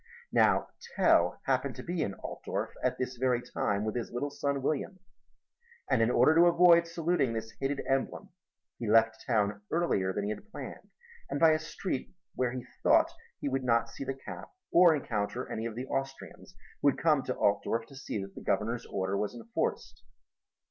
Now Tell happened to be in Altdorf at this very time with his little son William; and in order to avoid saluting this hated emblem, he left town earlier than he had planned and by a street where he thought he would not see the cap or encounter any of the Austrians who had come to Altdorf to see that the Governor's order was enforced.